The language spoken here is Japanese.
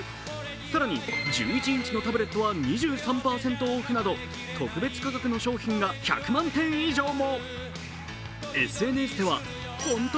更に１１インチのタブレットは２３％オフなど特別価格の商品が１００万点以上も。